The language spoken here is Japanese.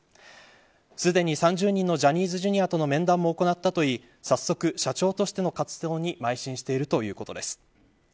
すでに３０人のジャニーズＪｒ．との面談も行ったといい早速、社長としての活動にまい進しているということです。